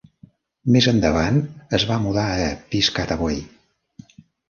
Més endavant es va mudar a Piscataway.